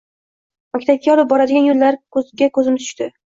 Maktabga olib boradigan yo‘llarga ko‘zimiz tushdi.